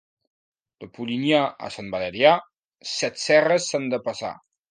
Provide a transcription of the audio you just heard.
De Polinyà a Sant Valerià set serres s'han de passar.